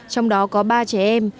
trong đó có ba trẻ em